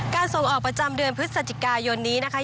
ส่งออกประจำเดือนพฤศจิกายนนี้นะคะ